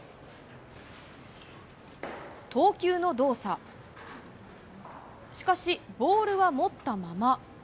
投球の動作、しかし、ボールは持ったまま。